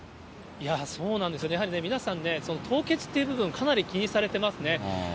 いやー、そうなんですよね、皆さんね、凍結っていう部分、かなり気にされてますね。